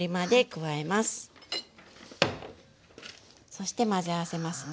そして混ぜ合わせますね。